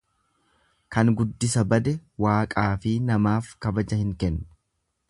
Kan guddisa bade Waaqaafi namaaf kabaja hin kennu.